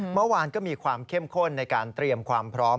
เมื่อวานก็มีความเข้มข้นในการเตรียมความพร้อม